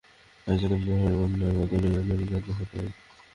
আইজো ঝড় বইন্না মাতায় লইয়া নদীডা দেই পাড়ি।।